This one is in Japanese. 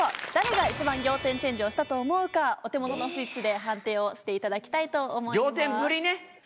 誰が一番仰天チェンジをしたと思うかお手元のスイッチで判定をしていただきたいと思います。